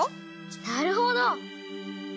なるほど！